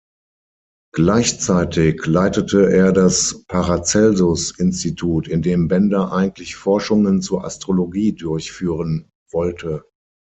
Gleichzeitig leitete er das Paracelsus-Institut, in dem Bender eigentlich Forschungen zur Astrologie durchführen wollte.